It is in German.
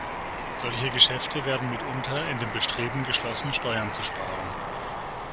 Solche Geschäfte werden mitunter in dem Bestreben geschlossen, Steuern zu sparen.